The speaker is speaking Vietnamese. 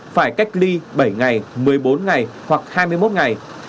phải cách ly bảy ngày một mươi bốn ngày hoặc hai mươi một ngày